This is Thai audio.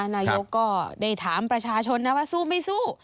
นายกก็ได้ถามประชาชนนะว่าสู้ไม่สู้